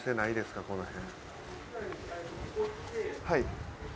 はい。